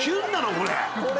これ。